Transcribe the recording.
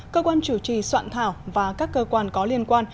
cơ quan chủ trì soạn thảo và các cơ quan có liên quan